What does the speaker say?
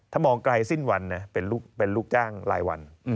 ถ้ามองไกลสิ้นวันเป็นลูกจ้างรายวัน